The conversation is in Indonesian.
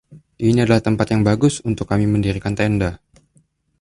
Ini adalah tempat yang bagus untuk kami mendirikan tenda.